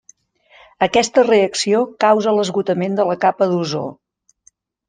Aquesta reacció causa l'esgotament de la capa d'ozó.